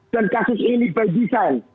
dan kasus ini by design